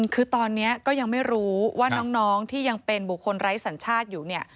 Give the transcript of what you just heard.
คือตอนนี้ก็ยังไม่รู้ว่าน้องที่ยังเป็นบุคคลไร้สัญชาติอยู่เนี่ย